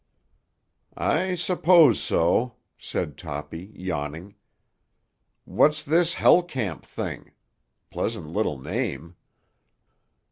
"I suppose so," said Toppy, yawning. "What's this Hell Camp thing? Pleasant little name."